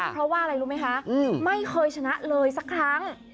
เพราะว่าอะไรรู้ไหมคะไม่เคยชนะเลยสักครั้ง